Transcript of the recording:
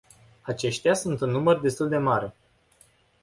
Aceștia sunt în număr destul de mare.